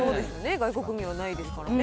外国にはないですからね。